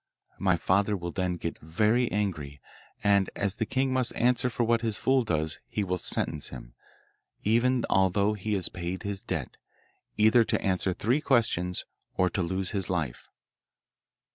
My father will then get very angry, and as the king must answer for what his fool does he will sentence him, even although he has paid his debt, either to answer three questions or to lose his life.